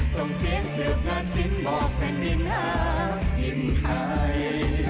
ส่งเสียงเสือกหน้าชิ้นบอกแผ่นดินหาหินไทย